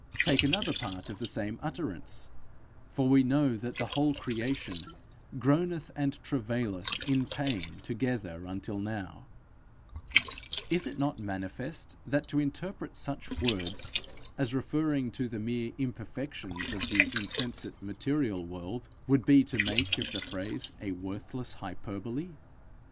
Take another part of the same utterance: 'For we know that the whole creation groaneth and travaileth in pain together until now:' is it not manifest that to interpret such words as referring to the mere imperfections of the insensate material world, would be to make of the phrase a worthless hyperbole?